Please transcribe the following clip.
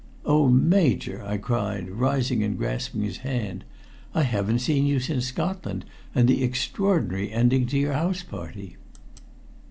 "Oh, Major!" I cried, rising and grasping his hand. "I haven't seen you since Scotland, and the extraordinary ending to your house party."